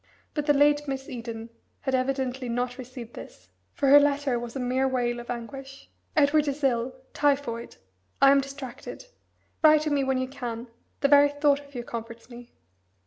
But the late Miss Eden had evidently not received this, for her letter was a mere wail of anguish. "Edward is ill typhoid. I am distracted. Write to me when you can. The very thought of you comforts me."